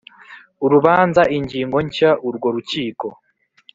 urubanza ingingo nshya urwo Rukiko